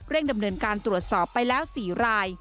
เร่งดำเนินการตรวจสอบไปแล้วสี่ราย